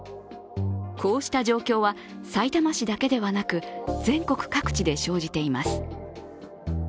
こうした状況はさいたま市だけではなく、全国各地で生じています。